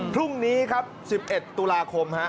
พรุ่งนี้ครับ๑๑ตุลาคม